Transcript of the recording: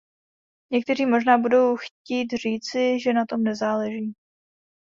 Někteří možná budou chtít říci, že na tom nezáleží.